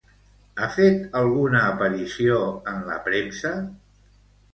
Ha fet alguna aparició en la premsa?